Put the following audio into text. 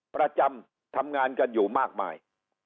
ประจำทำงานกันอยู่มากมาย